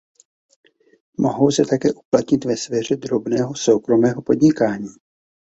Mohou se také uplatnit ve sféře drobného soukromého podnikání.